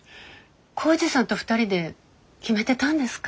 耕治さんと２人で決めてたんですか？